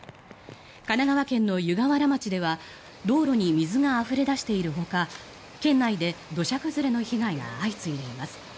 神奈川県の湯河原町では道路に水があふれ出しているほか県内で土砂崩れの被害が相次いでいます。